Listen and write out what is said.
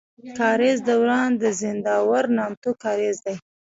کاريز دوران د زينداور نامتو کاريز دی.